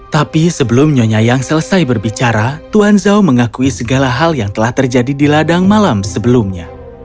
tapi sebelum nyonyayang selesai berbicara tuan zhao mengakui segala hal yang telah terjadi di ladang malam sebelumnya